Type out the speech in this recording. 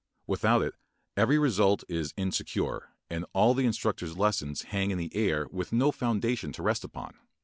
Without it every result is insecure and all the instructor's lessons hang in the air with no foundation to rest upon.